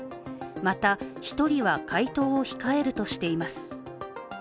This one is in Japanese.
また、１人は回答を控えるとしています。